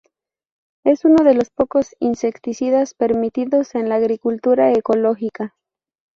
Es uno de los pocos insecticidas permitidos en la agricultura ecológica.